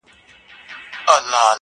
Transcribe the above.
چي نه عادت نه ضرورت وو، مينا څه ډول وه.